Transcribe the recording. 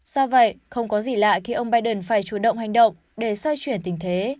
do vậy không có gì lạ khi ông biden phải chủ động hành động để xoay chuyển tình thế